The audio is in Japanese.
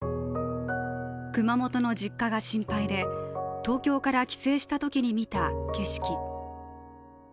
熊本の実家が心配で、東京から帰省したときに見た景色。